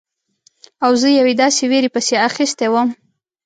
او زه یوې داسې ویرې پسې اخیستی وم.